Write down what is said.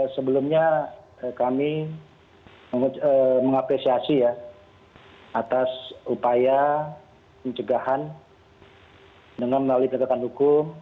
sebelumnya kami mengapresiasi ya atas upaya pencegahan dengan melalui pendekatan hukum